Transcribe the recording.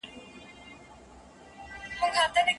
مقاله د علمي شورا لخوا تایید شوه.